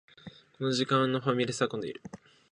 この時間のファミレスは混んでいる